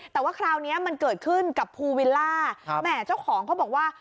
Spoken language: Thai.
แต่ว่าคราวนี้มันเกิดขึ้นกับภูวิลล่าแหม่เจ้าของเขาบอกว่า